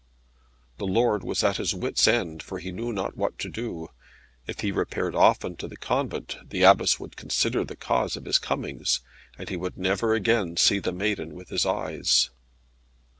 This lord was at his wits end, for he knew not what to do. If he repaired often to the convent, the Abbess would consider of the cause of his comings, and he would never again see the maiden with his eyes.